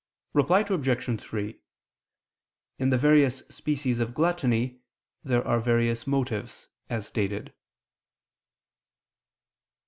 Reply Obj. 3: In the various species of gluttony there are various motives, as stated.